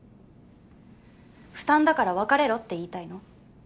負担だから別れろって言いたいの？